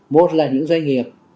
một là những doanh nghiệp